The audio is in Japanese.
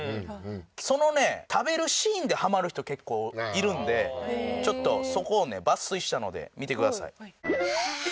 そのね食べるシーンでハマる人結構いるんでちょっとそこをね抜粋したので見てください。